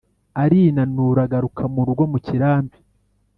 Arinanura agaruka mu rugo mu kirambi